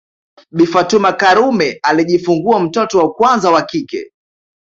Bi Fatuma Karume alijifungua mtoto wa kwanza wa kike